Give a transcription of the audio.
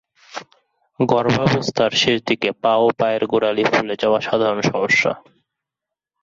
গর্ভাবস্থার শেষ দিকে পা এবং পায়ের গোড়ালি ফুলে যাওয়া সাধারণ সমস্যা।